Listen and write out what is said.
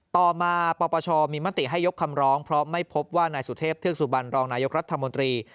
ต่อมาปปชมีมติให้ยกคำร้องเพราะไม่พบว่านายสุเทพเทือกสุบันรองนายกรัฐมนตรี